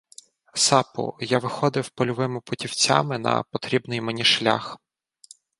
сапу, — я виходив польовими путівцями на потрібний мені шлях.